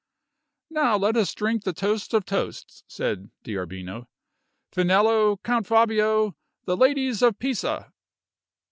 "Now let us drink the toast of toasts," said D'Arbino. "Finello, Count Fabio the ladies of Pisa!"